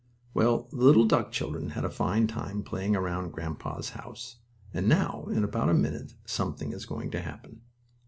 Well, the little duck children had a fine time playing around grandpa's house, and now, in about a minute something is going to happen.